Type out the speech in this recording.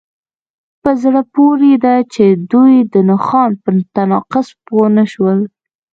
په زړه پورې ده چې دوی د نښان په تناقض پوه نشول